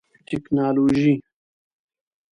ټکنالوژي